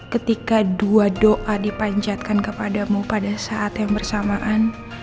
ketika dua doa dipanjatkan kepadamu pada saat yang bersamaan